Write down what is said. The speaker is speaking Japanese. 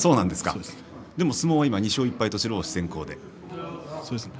でも相撲は２勝１敗と白星先行ですね。